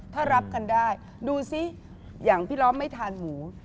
ถ้ารับกันได้ดูซิอย่างพี่น้องไม่ทานหมู